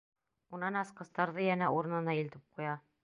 Унан асҡыстарҙы йәнә урынына илтеп ҡуя.